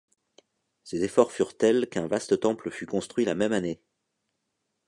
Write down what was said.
Ses efforts furent tels qu’un vaste temple fut construit la même année.